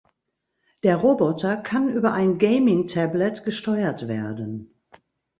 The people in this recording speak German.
Der Roboter kann über ein Gaming Tablet gesteuert werden.